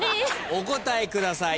お答えください。